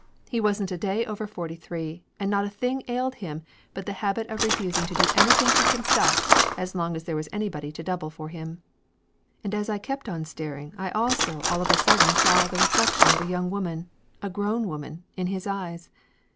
He wasn't a day over forty three, and not a thing ailed him but the habit of refusing to do any thing for himself as long as there was anybody to double for him. And as I kept on staring I also all of a sudden saw the reflection of a young woman a grown woman in his eyes.